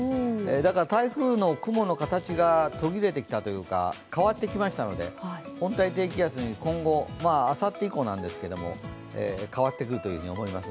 台風の雲の形が途切れてきたというか変わってきましたので、温帯低気圧にあさって以降、変わってくると思います。